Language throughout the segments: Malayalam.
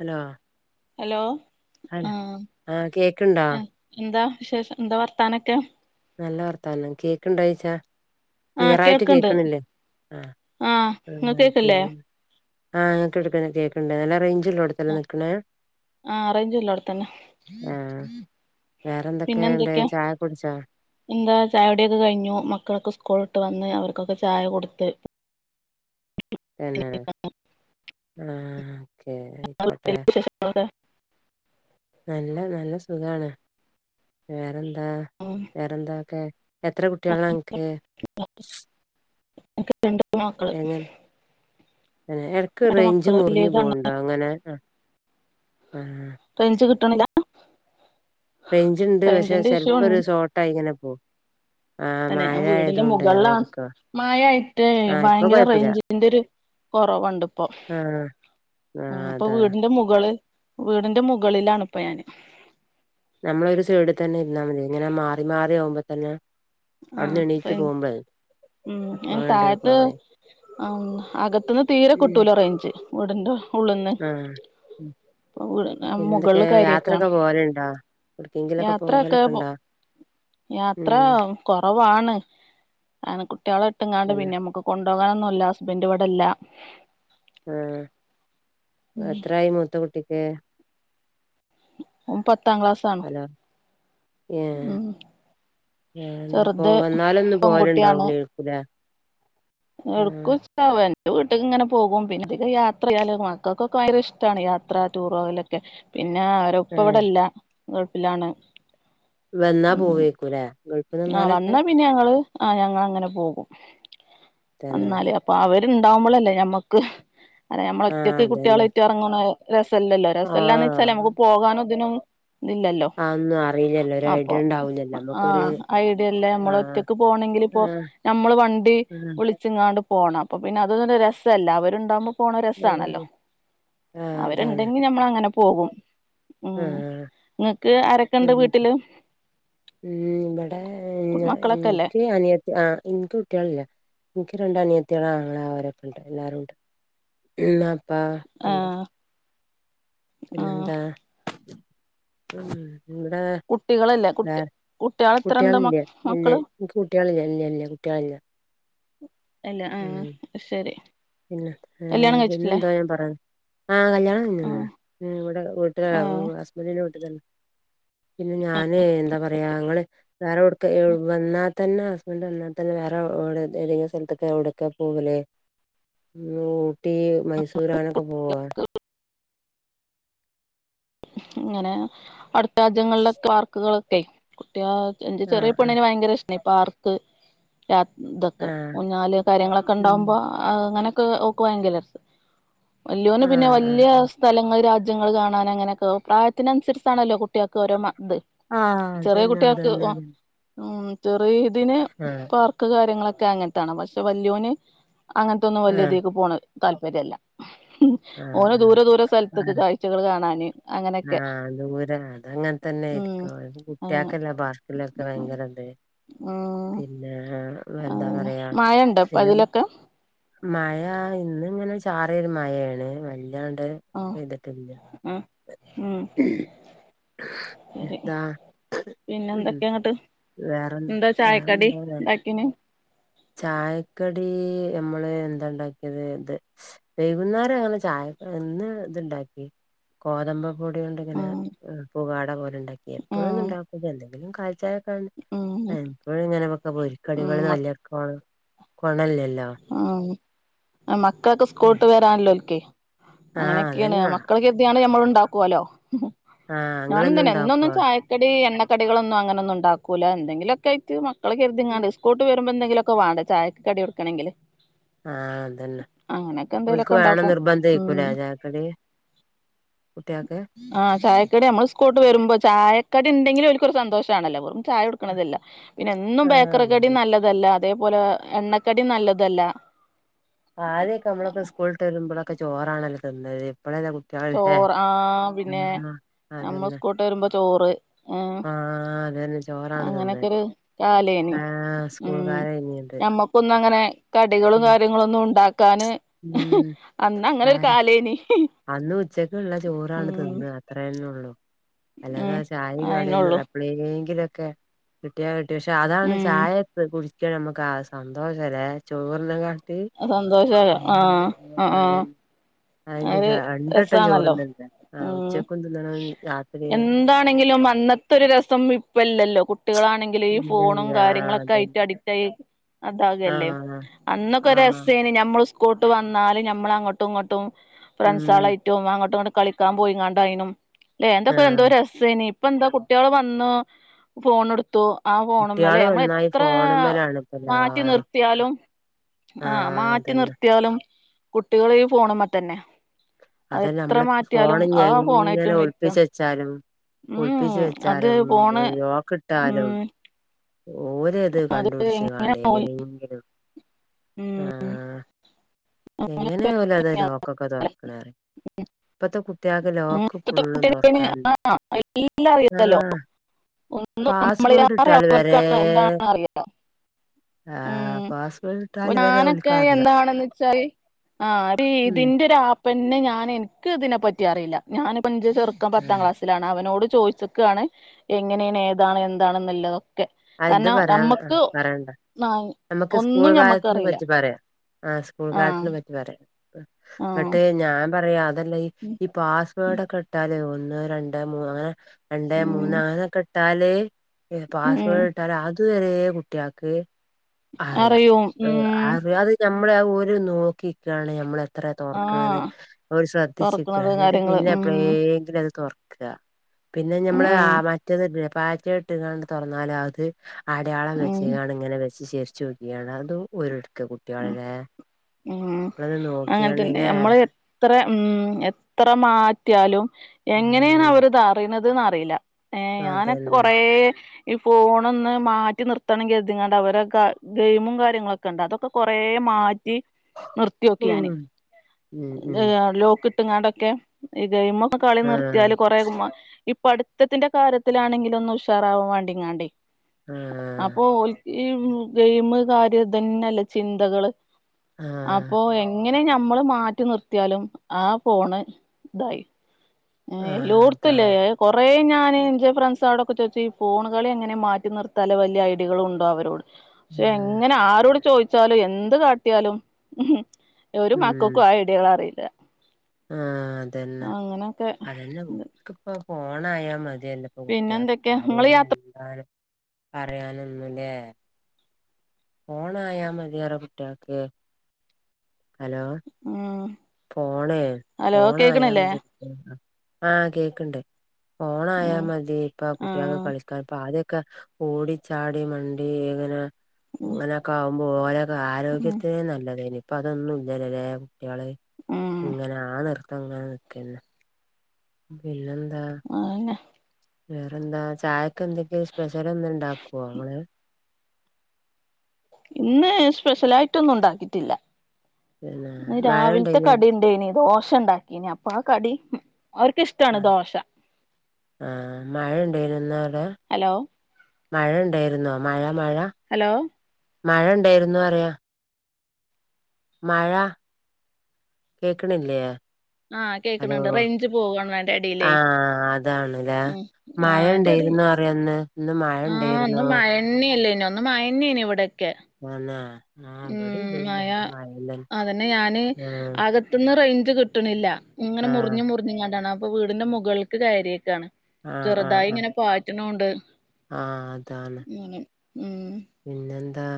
അലോ ഹലോ ആ ആഹ് കേക്ക്ണ്ടോ എന്താ വിശേഷം എന്താ വർത്താനൊക്കെ നല്ല വർത്താനം കേക്ക് ഇണ്ടായിച്ച ആഹ് ക്ലിയർ ആയിട്ട് കേൾക്ക്ണ്ട് കേക്കണില്ലേ ആ ആഹ് ഇങ്ങക്ക് കേക്ക്ല്ലേ പിന്നെ ആഹ്ഞങ്ങക്ക് എടുപ്പന്ന കേക്കണ്ടണ്ട് നല്ല റേഞ്ചല്ലോ ഇവിടുത്തല്ല നിൽക്കണേ ആഹ് റേയ്ഞ്ച്ല്ലോ ട് ത്തന്നെ വേറെന്തൊക്കെഇണ്ട് ചായ കുടിച്ചോ എന്താ ചായുടിയൊക്കെ കഴിഞ്ഞു മക്കളൊക്കെ സ്കൂളി വിട്ട് വന്ന് അവർക്കൊക്കെ ചായ കൊടുത്ത് തന്നെ ആഹ് ഓക്കെ അയ്ക്കോട്ടെ [inaudible] നല്ല നല്ല സുഖാണ് വേറെന്താ ഉം വേറെന്താക്കെ എത്ര കുട്ടിയോളാ അനക്ക് ഇൻക്ക് രണ്ട് പെൺമക്കള് ഏഹ് ഇടക്ക് റേയ്ഞ്ച് മക്കള് മുറിഞ്ഞു വല്ല്യേതാണ് പോവ്ണ്ടോ ഇങ്ങനെ ആഹ് ആഹ് റെയ്ഞ്ച് കിട്ടണില്ല റെയ്ഞ്ച് ഉണ്ട് പക്ഷെ ഇഷ്യൂ ചെലപ്പോ ഉണ്ട് ഒരു ഷോർട്ടായി ഇങ്ങനെ പോവും ആഹ് മഴ ആയതുകൊണ്ട് അതായിരിക്കും മായയിട്ടേ ആഹ് ഇപ്പൊ ഭയങ്കര കൊഴപ്പില്ല റെയ്ഞ്ചിന്റെ ഒരു കുറവുണ്ട് ഇപ്പൊ ആഹ് ആഹ് അപ്പൊ അതാ വീടിന്റെ മുകളിൽ വീടിന്റെ മുകളിലാണ് ഇപ്പോ ഞാന് നമ്മളൊരു സൈഡി തന്നെ ഇര്ന്നാമതി ഇങ്ങനെ മാറി മാറി ആകുമ്പോ തന്നെ അവിടുന്ന് ആഹ് എണീറ്റ് റേഞ്ച് പോകുമ്പോ ഉം എ താഴത്ത് അകത്തുന്ന് തീരെ ഉം കിട്ടൂലോ റെയ്ഞ്ച് ഇവിടണ്ടോ ആഹ് വീട് പിന്നെ മുകളില് എന്തൊക്കെയ കയറിയേക്കാണ് യാത്രൊക്കെ പോവലുണ്ടോ എടുക്കെങ്കിലൊക്കെ യാത്രയൊക്കെ പോവലൊക്കെ ണ്ടോ യാത്ര കൊറവാണ് അങ്ങനെകുട്ടിയാളെ ഇട്ടുംങ്ങാണ്ട് തന്നെ പിന്നെ നമ്മക്ക് കൊണ്ടോ കാനൊന്നുല്ല ഹസ്ബൻഡ് ഇവിടെല്ല ആഹ് ഉം എത്രായി മൂത്ത കുട്ടിക്ക് ഓ പത്താം ക്ലാസ് ആണ് തോ ഏഹ് പോ ചെറുത് വന്നാലൊന്ന് പോല് ണ്ടാകു ലൈക്കും ലേ ഇടക്കും ച്ച് ണ്ടാവു എന്റെ വീട്ടക്ക് ഇങ്ങനെ പോകും പിന്നെ യാത്ര ചെയ്യാൻ ഒക്കെ മക്കൾക്കൊക്കെ ഭയങ്കര ഇഷ്ടമാണ് യാത്ര ടൂറോ അയിലൊക്കെ പിന്നെ അവരിപ്പോ ഇവിടെ ഏഹ് ഇല്ല ഗൾഫിലാണ് വന്നാ പോവേക്കു ലേ ഗൾ ആഹ് വന്നാ പിന്നെ ഞങ്ങള് ആഹ് ഞങ്ങള് അങ്ങനെ പോകും തന്നെ വന്നാല് അ അപ്പൊ അവരുണ്ടാവുമ്പോളല്ലേ നമ്മക്ക് അല്ല നമ്മള ആഹ് ഒറ്റക്ക് ഈ അതന്നെ കുട്ടിയാളെയ്റ്റ് എറങ്ങ് ണേ രസല്ലല്ലോ രസല്ലാന്ന് ച്ചാല് ആഹ് നമക്ക് പോകാനും ഇതിനും ഇല്ലല്ലോ അതൊന്നും അറിയില്ലല്ലോ ഒരു അപ്പം ഐഡിയ ഉണ്ടാവൂലല്ലോ നമ്മുക്കൊരു ആഹ് ഐഡിയ ല്ലേ നമ്മള് ആഹ് ഒറ്റക്ക് പോണെങ്കില് ഇപ്പോ ആഹ് നമ്മള് വണ്ടി ആഹ് വിളി ച്ച് ങ്ങാട്ട് പോണം അപ്പം പിന്നെ അതൊന്നരു രസല്ല അവരുണ്ടാകുമ്പം പോണ രസാണല്ലോ ഉം ആഹ് അതാണ് അവരുണ്ടെങ്കി നമ്മള അങ്ങനെ പോകും ഉം ആഹ് ഇങ്ങക്ക് ആരൊക്കെ ണ്ട് ഉം വീട്ടില് ഉം ഇവിടെ മക്കളൊക്കെല്ലേ ഇൻക്ക് അനിയ ആഹ് ഇൻക്ക് കുട്ടിയാളില്ല ഇൻക്ക് രണ്ട് അനിയത്തിയാള് ആങ്ങള അവരൊക്കെ ഉണ്ട് എല്ലാരും ഉണ്ട് പിന്നെ ത്താ ആ ഒക്കെണ്ട് ആ പിന്നെന്താ മ് ഇവിടെ കുട്ടികളില്ല വേ കുട്ടി റ കുട്ടികൾ എത്രണ്ട് മ കുട്ടിയാളില്ലേ ഇല്ല മക്കള് ഇൻക്ക് കുട്ടിയാളില്ല ഇല്ല ഇല്ല കുട്ടിയാളില്ല ഇല്ല ഉം ആഹ് ശരി പിന്നെ ഏ കല്യാണം കഴിച്ചിട്ടില്ലേ പിന്നെന്താ ഞാ പറയ ആഹ കല്യാണം കഴിഞ്ഞു ആഹ് ഇവിടെ വീട്ടില് ആ ആഹ് ഹസ്ബൻഡറിന്റെ വീട്ടിൽ തന്നെ പിന്നെ ഞാന് എന്താ പറയാ ഞങ്ങള് വേറെ എടുത്തു നിന്നു വന്ന തന്നെ ഹസ്ബൻഡ്ത്തന്നെ വേറെ [inaudible] എവിടൊക്കെ പോകുന്നേ ഊട്ടി മൈസൂരണൊക്കെ പോവാ ഇങ്ങനെ അടുത്ത രാജ്യങ്ങളിലെ പാർക്കുകളൊക്കെ കുട്ടിയ എന്റെ ആഹ് ചെറിയ ആഹ് പെണ്ണിന് ഭയങ്കര ഇഷ്ടായി പാർക്ക് ഇതൊക്കെ ആഹ് ഊഞ്ഞാൽ കാര്യങ്ങളൊക്കെ ഉം ഉണ്ടാവുമ്പോ ആഹ അങ്ങനെയൊക്കെ ഓക്ക് ഭയങ്കരം വലിയവന് പിന്നെ ആഹ് ആഹ് വലിയ സ്ഥലങ്ങൾ രാജ്യങ്ങൾ കാണാൻ അങ്ങനെയൊക്കെ പ്രായത്തിനനുസരിച്ചാണല്ലോ കുട്ടികൾക്ക് ഓരോ ഇത് ആഹ ചെറിയ അതന്നെ കുട്ടികൾക്ക് അതന്നെതന്നെ ഉം ചെറിയ ഇതിന് പാർക്ക് കാര്യങ്ങളൊക്കെ അങ്ങനത്താണ് പക്ഷെ വലിയവന് അങ്ങനത്തെ ഇതൊന്നും ആഹ് വലിയതിലോട്ട്. പോണ താൽപര്യമില്ല ഓന ആഹ് ദൂരെ ദൂര സ്ഥലത്തേക്ക് കാഴ്ചകൾ കാണാന് അങ്ങനെയൊക്കെ ആഹ ദൂര അത് അങ്ങനെ ഉം തന്നൊയിരിക്കും ആ കുട്ടികൾക്കല്ലേ പാർക്കിലൊക്കെ ഭയങ്കര ഇത് ആഹ പിന്നെ എന്താ അതുതന്നെ പറയാ മായ ഉണ്ടോ പിന്നെ അതിലൊക്കെ മഴ ഇന്ന ഇങ്ങനെ ചാറിയ ഒരു മഴയാണ് വല്ലാണ്ട് പെയ്തിട്ടില്ല ആഹ ഉം ശരി താ പിന്നെ ഉ എന്തൊക്കെയ അങ്ങട്ട് വേറെന്ത എന്താ ചായക്കടി വേറെന്തോ പോലെ ഉണ്ടാക്കീന് ചായക്കടി നമ്മള് എന്താ ഉണ്ടാക്കിയത് ഇത് വൈകുന്നേരം ഞങ്ങള് ചായക്ക് ഇന്ന് ഇത്ണ്ടാക്കി ഗോതമ്പ് പൊടികൊണ്ട് ഇങ്ങനെ ഉം പുകാട പോലെ ഉണ്ടാക്കി എപ്പോഴെന്നും ഉം ഉണ്ടാക്കൂല എന്തെങ്കിലും കാലി ചായ ഉം എപ്പോഴും എങ്ങനെ വയ്ക്കുമ്പോ ഈ ഉം കടികള് മക്ക വലിയവർക്കു കോണമില്ലല്ലോ ഉം മക്കളൊക്കെ സ്കൂൾ വിട്ട് വരാനൊക്കെ ആഹ് അങ്ങനൊക്കെയാണ് അതന്നെ മക്കളക്കെ ഞമ്മൾ ഉണ്ടാക്കല്ലോ ആഹ് ഞാനും നിങ്ങളെന്നും തന്നെ എന്ന് ഒന്നും ഉണ്ടാക്കുവോ ചായ ഇവര് എണ്ണടികളൊന്നും അങ്ങനൊന്നും ഉണ്ടാക്കൂല എന്തെങ്കിലൊക്കെ ആയിട്ട് മക്കളെ കരുതിക്കണ്ട് സ്കൂൾ വിട്ട് വരുമ്പോൾ എന്തെങ്കിലുമൊക്കെ വേണ്ടേ ചായക്ക് കടി കൊടുക്കണമങ്കിൽ ആഹ അത് തന്നെ ഓല്ക്ക് എന്തെങ്കിലുമൊക്കെ വേണം എന്ന് ഉണ്ടാക്കും നിർബന്ധമായിരിക്കുലെ ഉം ചായക്കടി കുട്ടികൾക്ക് ആഹ ചായക്കടി നമ്മള് സ്കൂള് വിട്ട് വരുമ്പോ ചായക്കടി ഉണ്ടെങ്കിലും അവർക്ക് ഒരു സന്തോഷമാണല്ലോ വെറും ചായ ക്കതല്ല പിന്നെ എന്നും ആഹ് ബേക്കറിക്കടിം അതന്നെ നല്ലതല്ല അതേപോലെ എണ്ണക്കടിം നല്ലതല്ല ആദ്യോക്കെ നമ്മളൊക്കെ സ്കൂള്ട്ട് വരുമ്പോളക്കെ ചോറാണല്ലോ തിന്നല് ഇപ്പോഴല്ല കു ചോറ് ആഹ് പിന്നെ നമ്മള് അതന്നെ സ്കൂള്ട്ട് വരുമ്പോ ചോറ് ഏഹ് ആഹ് അതന്നെ ചോറാണ് തിന്നല് അങ്ങനെക്കൊരു കാലേന് ആഹ് ഉം സ്കൂൾക്കാരേനി അത് ഞമ്മക്ക് ക്കൊന്നും അങ്ങനെ കടികളും ഉം കാര്യങ്ങളൊന്നും ഉണ്ടാക്കാന് ഉം അന്ന് അങ്ങനൊരു കാലേയ്നി ഉച്ചക്കുള്ള ചോറാണന്നിട്ട് തിന്ന്ക അത്രേന്നേ ഉള്ളൂ അല്ലാതെ ഉം ചായെം കടിയൊന്നു അയിനൊള്ളു എപ്ലെങ്കിലൊക്കെ കിട്ടിയാ കിട്ടി പക്ഷെ അതാണ് ഉം ചായേക്ക കുടിച്ച് ക്ക്‌ നമുക്ക് ആഹ് സന്തോഷല്ലേ ചോറിനേം കാട്ടി സന്തോഷാണ് ആഹ് ആഹ് ആഹ് ആഹ് ഇത് ഒരു രണ്ടട്ടം രസാണല്ലോ ചോറുന്നണ്ടെ ആഹ് ഉച്ചക്കും തിന്നണം രാത്രിയ ന്താണെങ്കിലും അന്നത്തെ ഒരു രസം ഇപ്പല്ലല്ലോ കുട്ടികളാണെങ്കിലും ഈ ഇല്ല ഫോണും ഇല്ല ആഹ് കാര്യങ്ങളൊക്കെ അതന്നെ ആയിട്ട് അഡിക്റ്റ് ട്ടേ അതാകല്ലേ ആഹ് അന്നൊക്കെ ആഹ് രസേന് നമ്മള് സ് ള്ട്ട് വന്നാല് ഞമ്മളങ്ങോട്ടും ഇങ്ങോട്ടും ഉം ഫ്രണ്ട്സാളയ് റ്റും അങ്ങോട്ടു ഇങ്ങോട്ടു കളിക്കാ പോയിങ്ങാണ്ടയ്നും അല്ലെ എന്തൊക്കെ എന്തോ ആഹ് രസ് സെനി ഇപ്പ എന്താ കുട്ടികള് വന്നു ഫോണെടുത്തു ആ, ഫോണ്മ്മലെ കുട്ട്യാള് നന്നായി നമ്മളെത്ര ഫോണ്മ്മലാണ് ഇപ്പ മാറ്റി എല്ലാരും നിർത്തിയാലും ആ, ആഹ് മാറ്റി അതന്നെ നിർത്തിയാലും കുട്ടികള് ഈ ഫോണ്മ്മേ തന്നെ. അത് അതെന്നെ എത്ര നമ്മളിപ്പോ മാറ്റിയാലും ഫോണിഞ്ഞി ആ എങ്ങനെ ഫോണായിട്ടും ഇരിക്കാണ് ഒളപ്പിച്ച് വെച്ചാലും ഉം ഒളിപ്പിച്ചു അത് വെച്ചാലും ഫോണ് ഫുൾ ലോക്ക് ഉം ഇട്ടാലും ഓര് ഇത് അത് കണ്ടുപിടിച്ച് എങ്ങനെ കാണ്ടേ പോയി എങ്ങനെങ്കിലും ആ. ഉം എങ്ങനെയാഓല് അത് ലോക്കൊക്കെ തൊറക്കണെ പറയ് ഇപ്പത്തെ കുട്ടികൾക്ക് ലോക്ക് ഇപ്പത്തെ ഫുള്ളും കുട്ടികൾക്കാണ് തൊറക്കാൻ ആ, എല്ലാം അറിയില്ലല്ലോ, ഒന്നും പാസ്വേഡ് നമ്മളിലേറെ ഇട്ടാൽ വരെ അവർക്കാണ് എന്താണ് അറിയല്ലോ. ആഹ് ഉം, പാസ്വേഡ് ഇട്ടാൽ വരെ ഞാനൊക്കെ ഓൽക്കറിയാ എന്താണെന്ന് വെച്ചാൽ ആ, ടി ഉം ഇതിന്റൊരാപ്പ് പിന്നെ ഞാന് എനിക്ക് ഇതിനെ പറ്റി അറിയില്ല. ഞാനിപ്പഞ്ച് ചെറുക്കൻ പത്താം ആഹ് ക്ലാസ് ഇതിലാണ് അവനോട് ചോയിച്ചക്കാണ് എങ്ങനെണ് ഏതാണ് എന്താണ്ന്നല്ലോ. അത് പറയാന് ആ, പറയണ്ട ആഹ് നമ്മക്ക് സ്കൂൾ ഒന്നും കാലത്തിനെ ഞമ്മക്കറിയില്ല പറ്റി പറയാം ആ, സ്കൂൾ ആഹ് കാലത്തിനെ പറ്റി പറയാം ആഹ് എന്നിട്ട് ഞാൻ പറയാ അതെല് ല് ഈ പാസ്സ്‌വേർഡൊക്കെ ഇട്ടാല് ഒന്ന്, രണ്ട് മൂന്ന്, അങ്ങനെ രണ്ട് ഉം മൂന്ന്, അങ്ങനൊക്കെ ഇട്ടാല് ഏ പാസ്സ് ഉം ഇട്ടാല് അതുവരെ കുട്ടിൾ ക്ക് അറിയ അറിയും ആ ഉം അറിയത് ഞമ്മളെ ആഹ ഓര് നോക്കിക്കാണ് ഞമ്മളെത് എത്രതൊറക്കണന്ന് ആഹ് അവര് തൊറക്കണത് ശ്രദ്ധിച്ചിക്കാണ് എന്നിട്ട് കാര്യങ്ങള് പിന്നെ ഉം എപ്പളേങ്കിലും അത് തൊറ ക്ക്‌ക പിന്നെ ഉം ഞമ്മള് ആ, മറ്റേതില്ലേ പാറ്റേണ് ഇട്ട്ങ്ങാണ്ട് തുറന്നാല് അത് അടയാളം ഉം വെച്ചിങ്ങാണ് ഇങ്ങനെ വെച്ച് ചെരിച്ചു വെക്കുകയാണ്, അതും ഊരെട്ക്ക ഉം കുട്ടികളല്ലേ ഉം അങ്ങനത്തന്നെ നമ്മൾ എത്ര ഉം. എത്ര മാറ്റിയാലും എങ്ങനെണ് ഉം അവര് ഇത് അറിയണതെന്ന് അറിയില്ല. ഏ, ഞാനൊക്കെ അതന്നെ. കൊറേ ഈ ഫോണൊന്ന് മാറ്റി നിർത്തണെങ്കി കരുതിങ്ങാണ്ട് അവരക്ക ഗെയ്മും കാര്യങ്ങളൊക്കെ ഉണ്ട് അതൊക്ക കൊറേ മാറ്റി നിർത്തി നോക്കിയാന്. ഉം. ഉം ദ് ഉം. യാ ലോക്ക് ട്ടിങ്ങാണ്ടൊക്കെ ഈ ഗെയ്മൊക്കെ കളി നിർത്തിയാല് ആഹ് കൊറെ പേകുമാ ഈ പഠിത്തത്തിന്റെ കാര്യത്തിലാണെങ്കിലും ഒന്ന് ഉഷാറാവാൻ വേണ്ടി ഇങ്ങാണ്ടേ ആഹ് അപ്പോ ഓൽക്ക് ഈ ഗെയ്മ് കാര്യം ഇതന്നെല്ലേ ചിന്തകൾ ആഹ് അപ്പോ എങ്ങനെ ഞമ്മൾ മാറ്റി നിർത്തിയാലും ആ, ഫോണ് ഇതായി. ഏ, ആഹ് എല്ലോടുത്തുല്ലേ അതാണ്. കൊറേ ഞാൻ എന്റെ ഫ്രണ്ട്സ്കളോടൊക്കെ ചോയ്ച്ച് ഈ ഫോണ്കളി എങ്ങനെ മാറ്റി നിർത്താല് വല്യ ഐഡികളും ഉണ്ടോ അവരോട്. പക്ഷേ ആഹ് എങ്ങനെ ആരോട് ചോദിച്ചാലും എന്ത് കാട്ടിയാലും ഉം. ഒരു മക്കോക്കും ആ ഐഡിയകൾ അറിയില്ല. ആ, അതന്നെ അങ്ങനൊക്കെ അതല്ല ഉക്കിപ്പ ഫോണായ മതിയാല്ലോ. പിന്നെ എന്തൊക്കെ നിങ്ങൾ യാത്ര പറയാനൊന്നുംല്ലേ. ഫോണായ മതിയോരോ കുട്ടിയാ ക്ക് ഹലോ ആ, ഫോണ് ഫോണ ആയാമതി ആ, കേക്കണ് ണ്ട്. ഫോണ ആയാാൽ ഉം മതി ഇപ്പ കുട്ടികളക്കെ ആഹ് കളി അപ്പോ അതൊക്കെ ഓടിച്ചാടി മണ്ടി ഇങ്ങനെ ഉം ഇങ്ങനെയൊക്കെ ആകുമ്പോ ലെ ഉം ആരോഗ്യത്തിന് നല്ലതായിന് ഇപ്പൊ അതൊന്നും ഇല്ലല്ലല്ലേ കുട്ടിക ഉം ഇങ്ങനെ ആ നിൃത്തം അങ്ങനെ നക്കുന്ന പിന്നെന്താ അതന്നെ വേറെന്താ ചായക്കെ എന്തെങ്കിലും സ്പെഷ്യൽ എന്തെങ്കിലും ഇണ്ടാക്കുവോ ഇങ്ങൾ ഇന്ന് സ്പെഷ്യല ആായിട്ടൊന്നും ഉണ്ടാക്കിയിട്ടില്ല പിന്നെ ഇന്ന് മഴ രാവിലത്തെ ഉണ്ടേനോ കടിണ്ടായിനി ദോഷ ഇണ്ടാ ഇനി അപ്പൊ ആ കടി അവർക്കിഷ്ടാണ് ദോശ ആ മഴ ഉണ്ടായിനിയോ അവിടെ ഹലോ മഴ ഉണ്ടായിരുന്നോ മഴ മഴ ഹലോ മഴ ഉണ്ടായിരുന്നുന്ന് പറയാ മഴ കേക്കണില്ലേ ആഹ് ഹലോ കേക്കണണ്ട് റേഞ്ച് പോവാണ് അതിന്റെ എടയിലേ ആഹ അതാണില്ല ഉം മഴ ഉണ്ടായിരുന്നൊ അന്ന് ആഹ ഇന്ന് മഴന്നെനി ഇന്ന് മഴന്നെനി ഇവിടൊക്കെ തന്നെ ആ ഉം ഇവിടേം ണ്ടായിനി മഴ നല്ല മഴക്കെ അതന്നെ ഞാന് അകത്തന്ന് റേഞ്ച് കിട്ടണില്ല ഇങ്ങനെ ആഹ് മുറിഞ്ഞഞ് മുറി ങ്ങാണ്ടാണ് അപ്പൊ വീടിന്റെ മുകൾക്ക് കയറിയാക്കാന് ചെറുതായി ഇങ്ങനെ പാറ്റണ് ണ്ട് ആഹ അതാണ് ഉം പിന്നെന്താ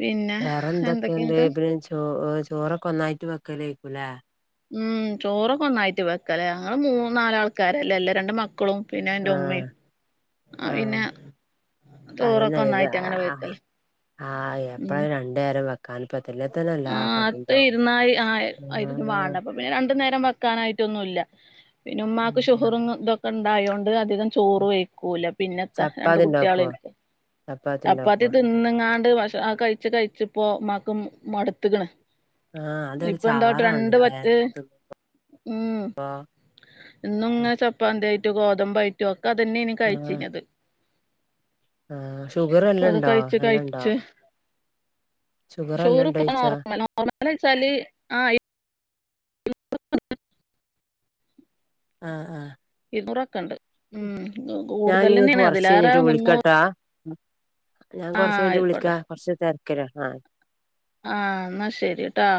പിന്നെ വേറെ എന്തൊക്കെയുണ്ട് എന്തൊക്കെന്ന്ട്ട് പിന്നെ ചോ ചോറൊക്കെ ഒന്നായിട്ട് വെക്കലക്കൂലേ ഉം ചോറൊക്കെ ഒന്നായിട്ട് വെക്കല്ലേ ഞങ്ങള്ൾ മൂന്ന നാലാൾക്കാരല്ലേ എല്ല രണ്ട് മക്കളും പിന്നെ എന്റെ ആഹ് ഉമ്മയും ആ ആഹ് പിന്നെ അതന്നെ ചോറൊക്കെ ഇത് ഒന്നായിട്ട് അങ്ങനെ വെക്കലാ ആ എപ്പഴും രണ്ടുനേരം കാണപ്പാത്തില്ലത്തന്നെ ആ അത്ത് ഇരുന്നായി ആ ആയിരിഒന്നും ആഹ് വാണ്ട അപ്പ പിന്നെ രണ്ടു നേരം വെക്കാനായിട്ടൊന്നുമല്ല പിന്നെ ഉമ്മാക്ക് ആഹ് ഷുഹറും ഇതൊക്കെ ഉണ്ടായതോണ്ട് അധികം ചോറ് വായ്ക്കൂല പിന്നെത്ത രണ്ട് ചപ്പാത്തി കുട്ടികൾ ഉണ്ടാക്കുവോ എനിക്ക് ചപ്പാത്തി തിന്നങ്ങാണ്ട്ഷ കഴിച്ച കഴിച്ചപ്പോ ഇമ്മാക്ക് മടുത്തക്കണ് ആഹ് അതൊരു ഇപ്പൊ എന്തോ ട്രെണ്ട് ചവറാണല്ലേ അങ്ങനെ ഉം തിന്നുമ്പോ എന്നും ഇങ്ങനെ ചപ്പാതി ആയിട്ടോ ഗോതമ്പ ആയിട്ടോ ഒക്കെ അതന്നെയനി കഴിചിനിയത് ആ ഷുഗർ ഇപ്പൊ അത് നല്ലണ്ടോ കഴിച്ച് നല്ല ഉണ്ടോ കഴിച്ച് ഷുഗർ അല്ലണ്ടോ നോർമൽ നോർമൽ വെച്ചാല് ആ ആ ആ ഇരുന്നൂറൊക്കെ ഉണ്ട് ഉ ഞാൻ കൂടുതൽ നിങ്ങൾക്ക് തന്നെയാണ് കൊറച്ച് അതിലാറ കഴിഞ്ഞിട്ട് മുന്നൂറ് വിളിക്കാട്ടാ ഞാൻ കുറച്ച കഴിഞ്ഞിട്ട് വിളിക്ക ആയിക്കോട്ടെ കുറച്ച് തിരക്കില ആ ആഹ എന്നാ ശരി ട്ടാ